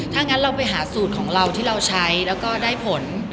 ถ้างั้นเราไปหาสูตรของเราที่เราใช้แล้วก็ได้ผล